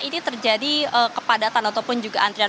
ini terjadi kepadatan ataupun juga antrian